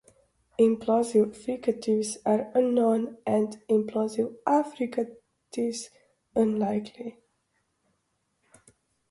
Implosive fricatives are unknown, and implosive affricates unlikely.